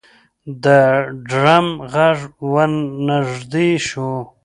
د ډرم غږ ورنږدې شو.